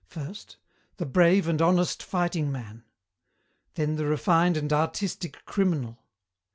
"First, the brave and honest fighting man. "Then the refined and artistic criminal.